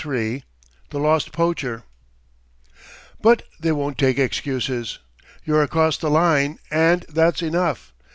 THE LOST POACHER "But they won't take excuses. You're across the line, and that's enough.